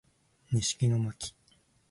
西木野真姫